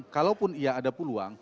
kalaupun iya ada peluang